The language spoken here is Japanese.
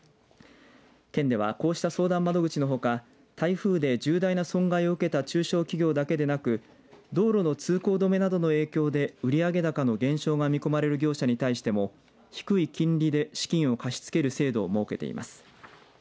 県では、こうした相談窓口のほか台風で重大な損害を受けた中小企業だけでなく道路の通行止めなどの影響で売上高の減少が見込まれる業者に対しても低い金利で資金を貸しつける制度を設けています。